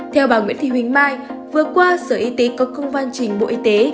theo bà nguyễn thị huỳnh mai vừa qua sở y tế có công văn trình bộ y tế